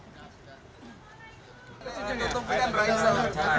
jalan jalan jalan